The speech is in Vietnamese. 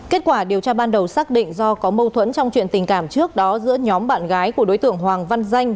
kết quả điều tra ban đầu xác định do có mâu thuẫn trong chuyện tình cảm trước đó giữa nhóm bạn gái của đối tượng hoàng văn danh